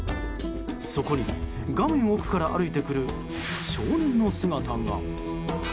そこに画面奥から歩いてくる少年の姿が。